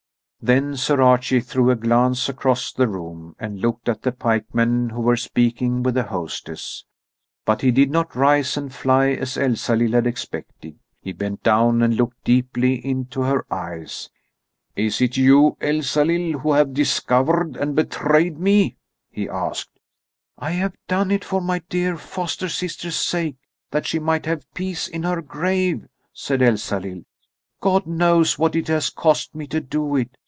Then Sir Archie threw a glance across the room and looked at the pikemen who were speaking with the hostess. But he did not rise and fly as Elsalill had expected: he bent down and looked deeply into her eyes. "Is it you, Elsalill, who have discovered and betrayed me?" he asked. "I have done it for my dear foster sister's sake, that she might have peace in her grave," said Elsalill. "God knows what it has cost me to do it.